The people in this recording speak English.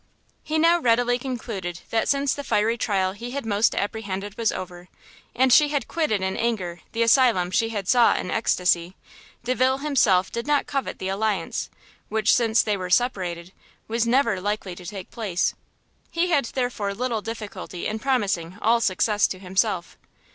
He now readily concluded that since the fiery trial he had most apprehended was over; and she had quitted in anger the asylum she had sought in extacy, Delvile himself did not covet the alliance, which, since they were separated, was never likely to take place. He had therefore little difficulty in promising all success to himself.